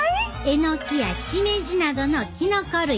えのきやしめじなどのきのこ類。